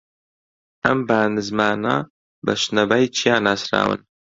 ئەم با نزمانە بە شنەبای چیا ناسراون